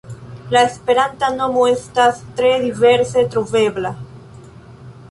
La esperanta nomo estas tre diverse trovebla.